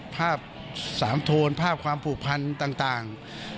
ภาพสามโทนภาพความผูกพันต่าง